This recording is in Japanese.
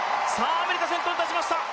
アメリカ先頭に立ちました。